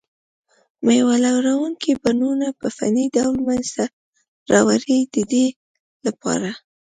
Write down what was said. مېوه لرونکي بڼونه په فني ډول منځته راوړي دي د دې لپاره.